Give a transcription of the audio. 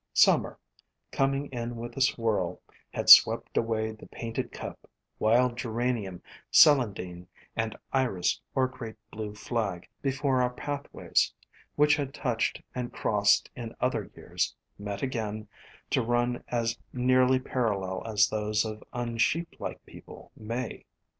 Summer, coming in with a swirl, had swept away the Painted Cup, Wild Geranium, Celandine, and Iris or Great Blue 224 FLOWERS OF THE SUN Flag, before our pathways, which had touched and crossed in other years, met again, to run as nearly parallel as those of unsheeplike people may.